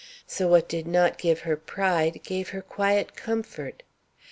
So what did not give her pride gave her quiet comfort.